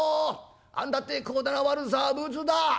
あんだってこだな悪さぶつだ？